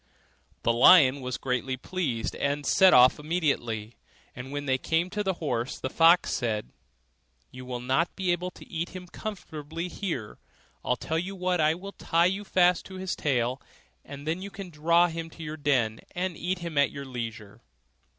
The lion was greatly pleased, and set off immediately; and when they came to the horse, the fox said, 'You will not be able to eat him comfortably here; I'll tell you what I will tie you fast to his tail, and then you can draw him to your den, and eat him at your leisure.